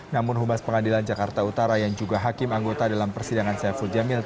namun humas pengadilan jakarta utara yang juga hakim anggota dalam persidangan saiful jamil